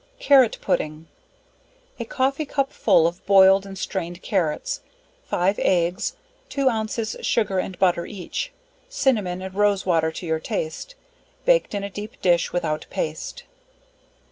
Carrot Pudding. A coffee cup full of boiled and strained carrots, 5 eggs, 2 ounces sugar and butter each, cinnamon and rose water to your taste, baked in a deep dish without paste.